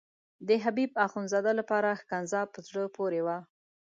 د حبیب اخندزاده لپاره ښکنځا په زړه پورې وه.